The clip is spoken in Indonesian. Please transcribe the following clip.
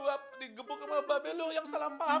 kalo sampe gue di gepuk sama mbak be lo yang salah paham